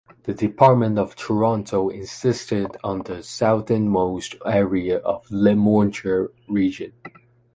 The Department of Tronto insisted on the southernmost area of Le Marche region.